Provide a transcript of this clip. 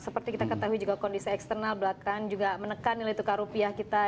seperti kita ketahui juga kondisi eksternal belakang juga menekan nilai tukar rupiah kita